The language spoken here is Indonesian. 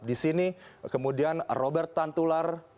disini kemudian robert tantular